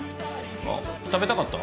あっ食べたかった？